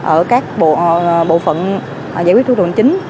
ở các bộ phận giải quyết thủ đồng chính